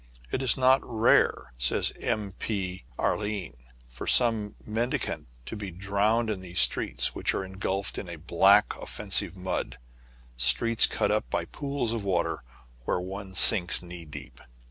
It is not rare, says M. P. Arène, for some mendicant to be drowned in these streets, which are ingulfed in a black, offensive mud, — streets cut up by pools of water, where one sinks knee deep.